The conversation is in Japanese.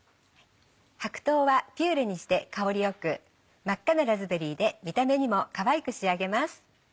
白桃はピューレにして香りよく真っ赤なラズベリーで見た目にもかわいく仕上げます。